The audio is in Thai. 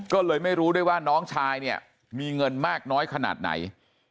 ก็เลยไม่รู้ด้วยว่าน้องชายเนี่ยมีเงินมากน้อยขนาดไหน